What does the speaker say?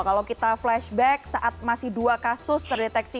kalau kita flashback saat masih dua kasus terdeteksi